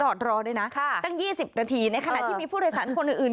จอดรอด้วยนะค่ะตั้งยี่สิบนาทีในขณะที่มีผู้โดยสรรค์คนอื่น